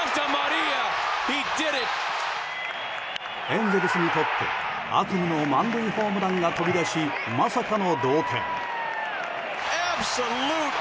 エンゼルスにとって悪夢の満塁ホームランが飛び出しまさかの同点。